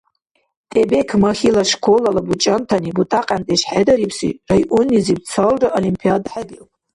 ТӀебекмахьила школала бучӀантани бутӀакьяндеш хӀедарибси районнизиб цалра олимпиада хӀебиуб.